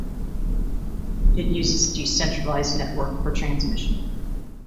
It uses decentralized network for transmission.